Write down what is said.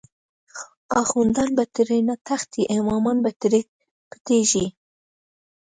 آخوندان به ترینه تښتی، امامان به تری پټیږی